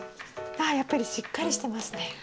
ああやっぱりしっかりしてますね。